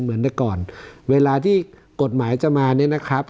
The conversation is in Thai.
เหมือนแต่ก่อนเวลาที่กฎหมายจะมาเนี่ยนะครับ